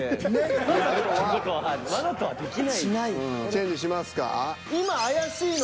チェンジしますか？